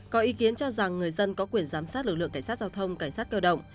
có ý kiến cho rằng người dân có quyền giám sát lực lượng cảnh sát giao thông cảnh sát cơ động